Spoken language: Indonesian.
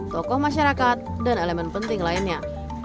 tokoh masyarakat dan elemen penting lainnya